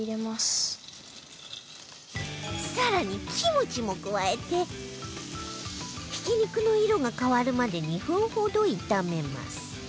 更にキムチも加えてひき肉の色が変わるまで２分ほど炒めます